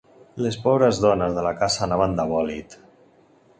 Les pobres dones de casa anaven de bòlit.